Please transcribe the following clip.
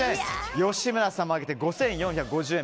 吉村さんも上げて５４５０円。